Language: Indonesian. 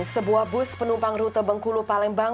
sebuah bus penumpang rute bengkulu palembang